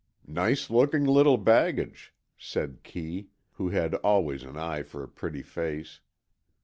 "Nice looking little baggage," said Kee, who had always an eye for a pretty face.